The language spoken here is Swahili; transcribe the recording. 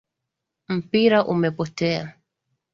Mpira umepotea.